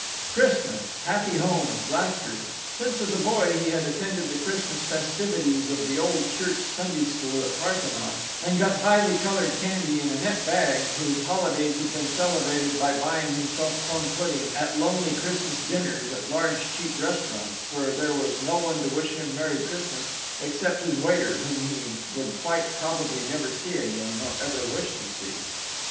Christmas—happy homes—laughter…. Since, as a boy, he had attended the Christmas festivities of the Old Church Sunday school at Parthenon, and got highly colored candy in a net bag, his holidays had been celebrated by buying himself plum pudding at lonely Christmas dinners at large cheap restaurants, where there was no one to wish him "Merry Christmas" except his waiter, whom he would quite probably never see again, nor ever wish to see.